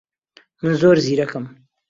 من زۆر زیرەکم.